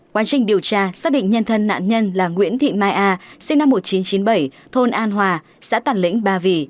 quá trình điều tra xác định nhân thân nạn nhân là nguyễn thị mai a sinh năm một nghìn chín trăm chín mươi bảy thôn an hòa xã tản lĩnh ba vì